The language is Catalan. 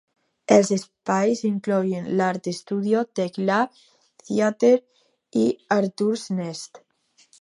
Els espais inclouen l'Art Studio, Tech Lab, Theater i Arturo's Nest.